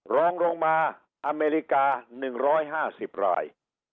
รองลงมาอเมริกา๑๕๐ราย